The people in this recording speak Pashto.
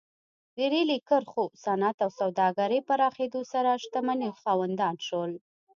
د ریلي کرښو، صنعت او سوداګرۍ پراخېدو سره شتمنۍ خاوندان شول.